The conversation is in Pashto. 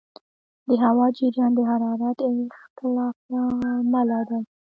د هوا جریان د حرارت اختلاف له امله دی.